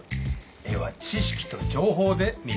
絵は知識と情報で見るものです。